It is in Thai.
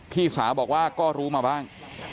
พี่สาวบอกว่าก็รู้มาบ้าง